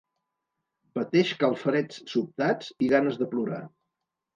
Pateix calfreds sobtats i ganes de plorar.